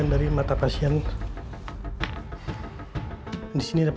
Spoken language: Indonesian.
daddy pergi sebentar oke